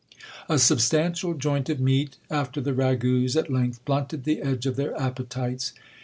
A substantial joint of meat after the ragouts at length blunted the edge of their appetites.